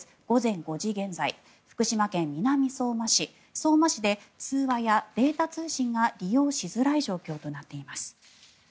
午前５時現在福島県南相馬市、相馬市で通話やデータ通信が利用しづらい状況となっています。